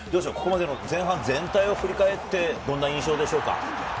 前半全体を振り返ってどんな印象ですか？